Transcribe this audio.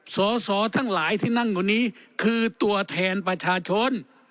สอสอทั้งหลายที่นั่งกว่านี้คือตัวแทนประชาชน